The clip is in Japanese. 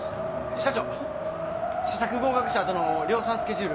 社長試作合格したあとの量産スケジュール